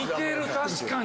確かに。